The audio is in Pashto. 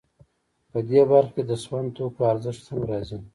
په دې برخه کې د سون توکو ارزښت هم راځي